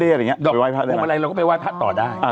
อย่างดอกมุมอะไรเราก็ไปว่ายพระต่อได้